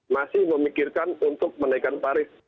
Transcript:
masih memikirkan untuk menaikkan tarif